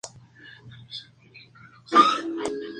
Alcalde de la provincia de Huaral.